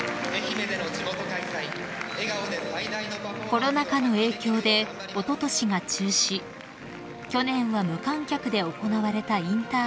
［コロナ禍の影響でおととしが中止去年は無観客で行われたインターハイ］